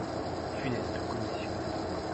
Funeste commission